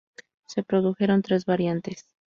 Se produjeron tres variantes.